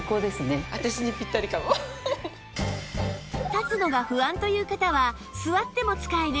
立つのが不安という方は座っても使える